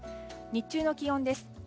日中の気温です。